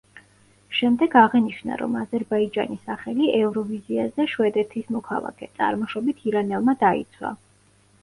შემდეგ აღინიშნა, რომ აზერბაიჯანი სახელი ევროვიზიაზე შვედეთის მოქალაქე, წარმოშობით ირანელმა დაიცვა.